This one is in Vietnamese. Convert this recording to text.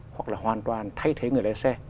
hoặc là hoàn toàn thay thế người lái xe